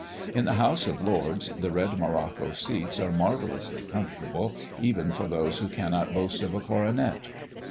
In the House of Lords the red morocco seats are marvellously comfortable, even for those who cannot boast of a coronet.